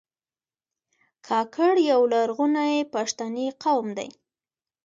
کاکړ یو لرغونی پښتنی قوم دی.